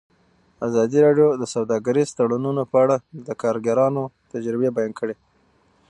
ازادي راډیو د سوداګریز تړونونه په اړه د کارګرانو تجربې بیان کړي.